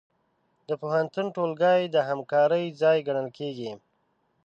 د پوهنتون ټولګي د همکارۍ ځای ګڼل کېږي.